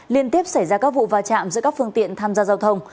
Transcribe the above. liên tiếp xảy ra các vụ va chạm giữa các phương tiện tham gia giao thông